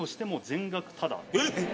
えっ！